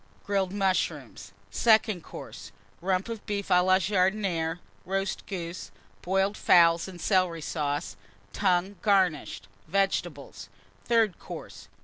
Grilled Mushrooms. SECOND COURSE. Rump of Beef à la Jardinière. Roast Goose. Boiled Fowls and Celery Sauce. Tongue, garnished. Vegetables. THIRD COURSE.